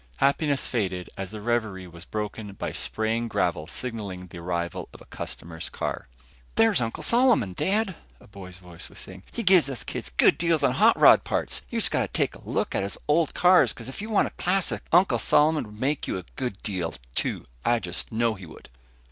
Happiness faded as the reverie was broken by spraying gravel signaling arrival of a customer's car. "There's Uncle Solomon, Dad," a boy's voice was saying. "He gives us kids good deals on hot rod parts. You've just gotta take a look at his old cars, 'cause if you want a classic Uncle Solomon would make you a good deal, too. I just know he would."